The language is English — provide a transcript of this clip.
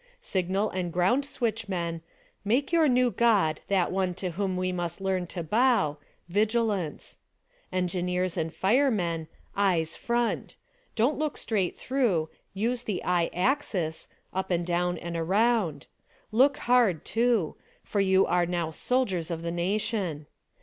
Signal and ground switchmen : Make your new God that one to whom we must learn to bow—Vigilance ! Engineers and Firemen : Eyes front ! Don't look straight though ; use the eye axis — up and down and around; look hard, too — for you are now soldiers of the nation!